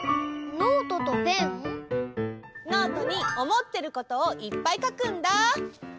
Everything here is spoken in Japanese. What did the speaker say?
ノートにおもってることをいっぱいかくんだ！